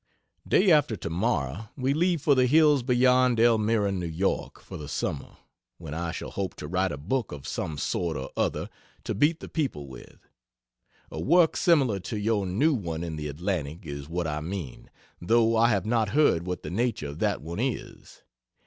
Day after tomorrow we leave for the hills beyond Elmira, N. Y. for the summer, when I shall hope to write a book of some sort or other to beat the people with. A work similar to your new one in the Atlantic is what I mean, though I have not heard what the nature of that one is.